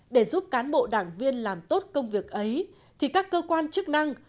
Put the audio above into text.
để giúp cán bộ đảng viên làm tốt công việc ấy thì các cơ quan chức năng